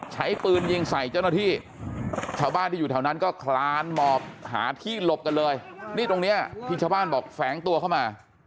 ใช้ปืนยิงใส่เจ้าหน้าที่ชาวบ้านที่อยู่แถวนั้นก็คลานหมอบหาที่หลบกันเลยนี่ตรงนี้ที่ชาวบ้านบอกแฝงตัวเข้ามา